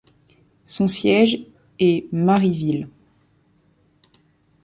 Son siège est Maryville.